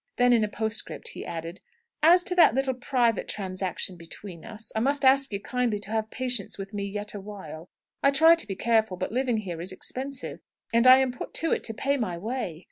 Then in a postscript he added: "As to that little private transaction between us, I must ask you kindly to have patience with me yet awhile. I try to be careful, but living here is expensive, and I am put to it to pay my way.